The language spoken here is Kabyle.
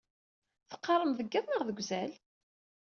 Teqqaṛem deg iḍ neɣ deg uzal?